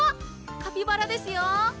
カピバラですよ！